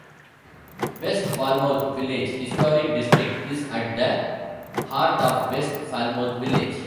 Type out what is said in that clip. West Falmouth Village Historic District is at the heart of West Falmouth Village.